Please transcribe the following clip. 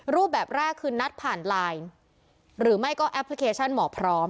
รูปแบบแรกคือนัดผ่านไลน์หรือไม่ก็แอปพลิเคชันหมอพร้อม